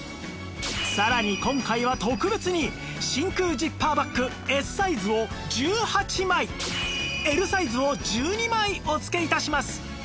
さらに今回は特別に真空ジッパーバッグ Ｓ サイズを１８枚 Ｌ サイズを１２枚お付け致します